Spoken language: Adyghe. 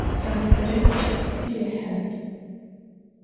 Canserêy psı yêhı.